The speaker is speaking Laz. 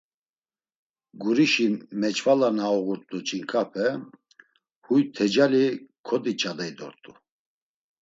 Gurişi meç̌vala na uğurt̆u ç̌inǩape, huy tecali kodiç̌adey dort̆u.